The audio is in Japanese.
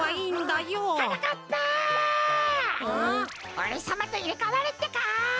おれさまといれかわるってか！